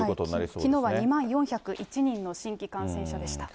きのうは２万４０１人の新規感染者でした。